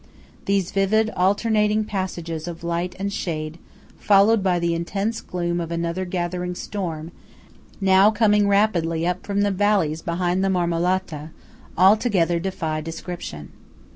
These vivid alternating passages of light and shade followed by the intense gloom of another gathering storm now coming rapidly up from the valleys behind the Marmolata, altogether defy description.